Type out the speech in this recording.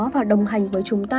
và đồng hành với chúng ta